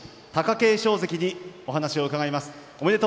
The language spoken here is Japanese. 景勝関にお話を伺います。